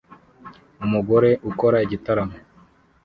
Umugore ukora igitaramo